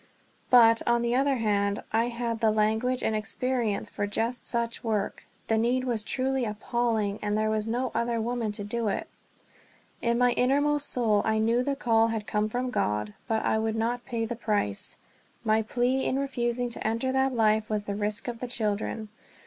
But, on the other hand, I had the language and experience for just such work, the need was truly appalling, and there was no other woman to do it. In my innermost soul I knew the call had come from God, but I would not pay the price. My one plea in refusing to enter that life was the risk to the children.